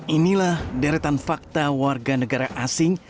inilah deretan fakta warga negara asing